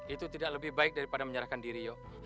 itu tidak lebih baik daripada menyerahkan diri yuk